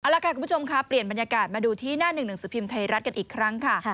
เอาล่ะค่ะคุณผู้ชมค่ะเปลี่ยนบรรยากาศมาดูที่หน้า๑๑สุพิมธรรมไทยรัฐกันอีกครั้งค่ะ